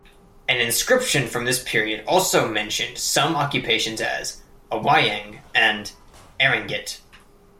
An inscription from this period also mentioned some occupations as "awayang" and "aringgit".